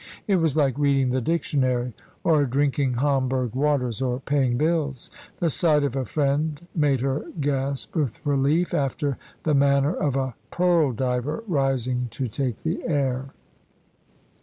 It was like reading the dictionary, or drinking Homburg waters, or paying bills. The sight of a friend made her gasp with relief, after the manner of a pearl diver rising to take the air.